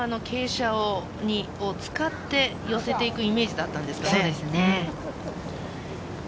右の傾斜を使って寄せていくイメージだったんですかね？